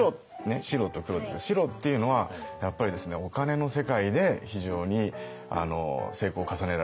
白と黒ですが白っていうのはやっぱりですねお金の世界で非常に成功を重ねられてるというサインなんですよ。